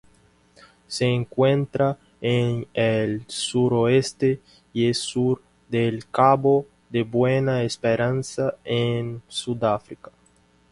Se encuentra en el suroeste y sur del Cabo de Buena Esperanza en Sudáfrica.